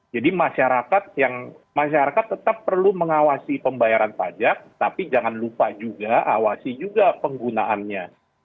jadi masyarakat yang masyarakat tetap perlu mengawasi pembayaran pajak tapi jangan lupa juga awasi juga penggunaannya